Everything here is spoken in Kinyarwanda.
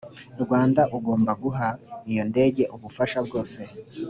rwanda agomba guha iyo ndege ubufasha bwose